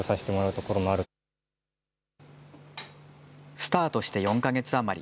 スタートして４か月余り。